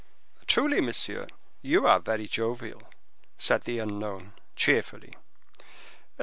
"Truly, monsieur, you are very jovial," said the unknown, cheerfully.